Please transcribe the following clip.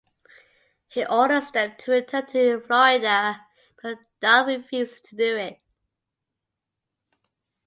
He orders them to return to Florida but Daryl refuses to do it.